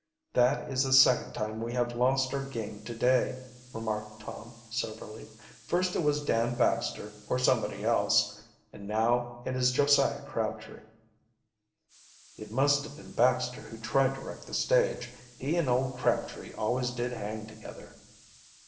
"That is the second time we have lost our game to day," remarked Tom soberly. "First it was Dan Baxter or somebody else, and now it is Josiah Crabtree." "It must have been Baxter who tried to wreck the stage. He and old Crabtree always did hang together."